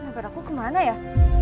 nggak berarti aku kemana ya